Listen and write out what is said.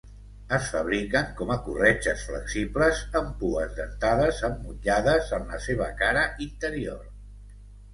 Es fabriquen com a corretges flexibles amb pues dentades emmotllades en la seva cara interior.